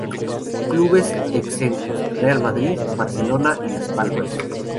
Clubes exentos: Real Madrid, Barcelona y Las Palmas.